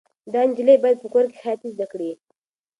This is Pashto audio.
دا نجلۍ باید په کور کې خیاطي زده کړي.